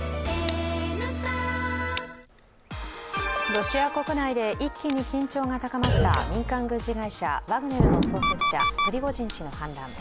ロシア国内で一気に緊張が高まった民間軍事会社ワグネルの創設者・プリゴジン氏の反乱。